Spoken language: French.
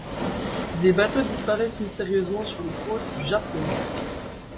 Des bateaux disparaissent mystérieusement sur les côtes du Japon.